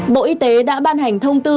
bộ y tế đã ban hành thông tư